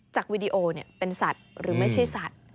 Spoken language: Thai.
จากวิดีโอเนี่ยเป็นสัตว์หรือไม่ใช่สัตว์